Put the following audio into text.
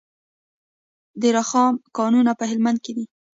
د رخام کانونه په هلمند کې دي